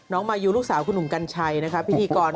มายูลูกสาวคุณหนุ่มกัญชัยนะคะพิธีกร